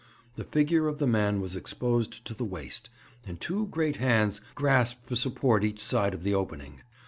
The figure of the man was exposed to the waist, and two great hands grasped for support each side of the opening.